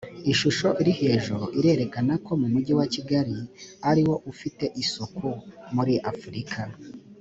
ishusho iri hejuru irerekana ko mu mujyi wa kigali ariwo ufite isuku muri afurika